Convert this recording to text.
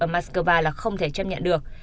ở moscow là không thể chấp nhận được